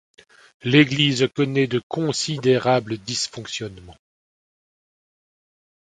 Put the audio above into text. L’Église connaît de considérables dysfonctionnements.